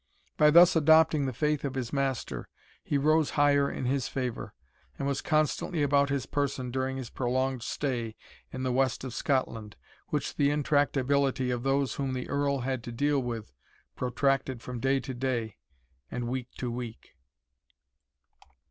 By thus adopting the faith of his master, he rose higher in his favour, and was constantly about his person during his prolonged stay in the west of Scotland, which the intractability of those whom the Earl had to deal with, protracted from day to day, and week to week.